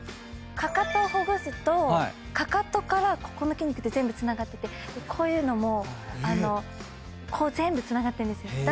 かかとをほぐすとかかとからここの筋肉って全部つながっててこういうのも全部つながってるんですよ。